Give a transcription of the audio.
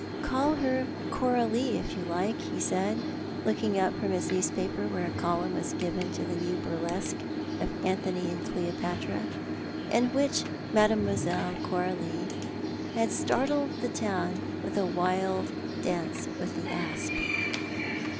" Call her Coralie, if you like," he said, looking up from his newspaper, where a column was given to the new burlesque of " Antony and Cleopatra," in which Mdlle. Coralie had startled the town by a wild dance with the asp.